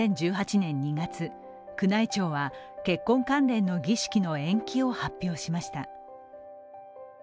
年２月宮内庁は、結婚関連の儀式の延期を発表しました。